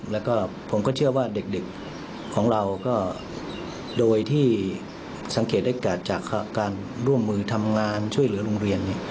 แล้วก็ผมก็เชื่อว่าเด็กของเราก็โดยที่สังเกตได้เกิดจากการร่วมมือทำงานช่วยเหลือโรงเรียน